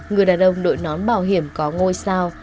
người đàn ông đội nón bảo hiểm có ngôi sao